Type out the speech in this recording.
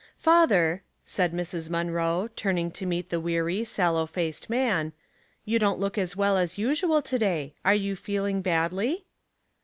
;ATP1ER," said Mrs. Munroe, turning to meet the wear}^ sallow faced man, "you dont look as well as usual to day. Are you feeling badly?"